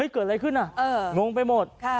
เกิดอะไรขึ้นงงไปหมด